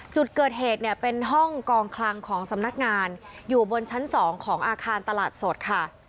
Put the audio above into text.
จุดเกิดเหตุเนี่ยเป็นห้องกองคลังของสำนักงานอยู่บนชั้น๒ของอาคารตลาดสดค่ะ